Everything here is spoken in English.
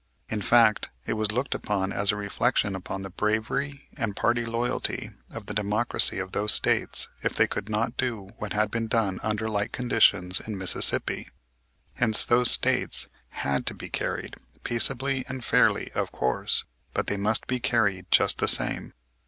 In fact, it was looked upon as a reflection upon the bravery and party loyalty of the Democracy of those States if they could not do what had been done under like conditions in Mississippi. Hence those States had to be carried, "peaceably and fairly," of course, "but they must be carried just the same."